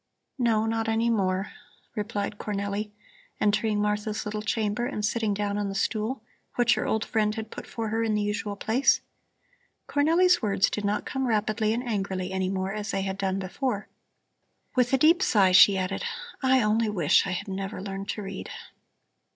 "No, not any more," replied Cornelli, entering Martha's little chamber and sitting down on the stool which her old friend had put for her in the usual place. Cornelli's words did not come rapidly and angrily any more, as they had done before. With a deep sigh she added: "I only wish I had never learned to read."